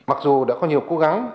mặc dù đã có nhiều cố gắng